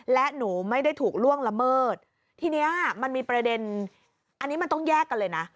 และหนูไม่ได้ถูกล่วงละเมิดทีเนี้ยมันมีประเด็นอันนี้มันต้องแยกกันเลยนะ